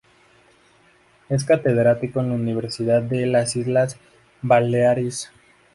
Es catedrático en la Universidad de las Islas Baleares.